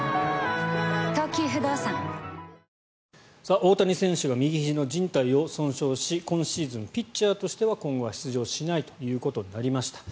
大谷選手が右ひじのじん帯を損傷し今シーズンピッチャーとしては今後は出場しないということになりました。